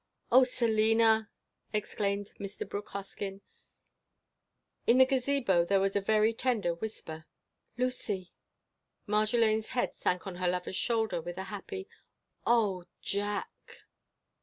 "Oh, Selina!" exclaimed Mr. Brooke Hoskyn. In the Gazebo there was a very tender whisper:—"Lucy!" Marjolaine's head sank on her lover's shoulder with a happy, "Oh, Jack!"